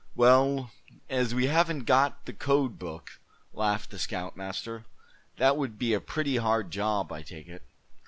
"Well, as we haven't got the code book," laughed the scoutmaster, "that would be a pretty hard job, I take it."